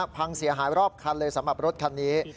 พังเสียหายรอบคันเลยสำหรับรถคันนี้